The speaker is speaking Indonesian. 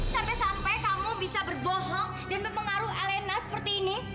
sampai sampai kamu bisa berbohong dan mempengaruhi arena seperti ini